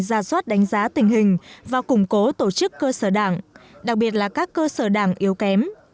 ra soát đánh giá tình hình và củng cố tổ chức cơ sở đảng đặc biệt là các cơ sở đảng yếu kém